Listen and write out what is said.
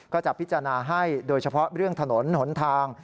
ก็จะพิจารณาให้โดยเฉพาะเรื่องถนนหนทาง